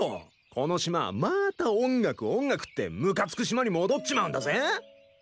この島はまた音楽音楽ってムカつく島に戻っちまうんだぜ？